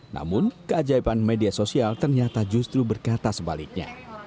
namun keajaiban media sosial ternyata justru berkata sebaliknya